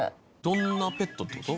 どんなペットって事？